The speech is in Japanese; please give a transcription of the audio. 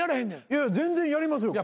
いや全然やりますよ。